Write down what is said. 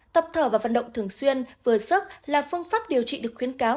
tập thở và vận động thường xuyên vừa sức là phương pháp điều trị được khuyến cáo